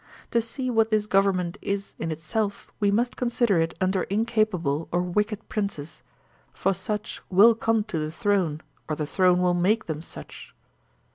To see what this gov ernment is in itself, we must consider it under incapable or wicked princes; for such will come to the throne, or the throne will make them such.